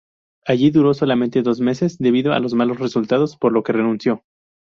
Allí duró solamente dos meses debido a los malos resultados, por lo que renunció.